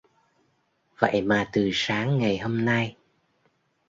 Vậy mà từ sáng ngày hôm nay